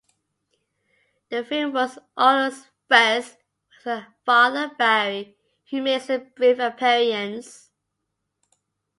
The film was Otto's first with her father, Barry, who makes a brief appearance.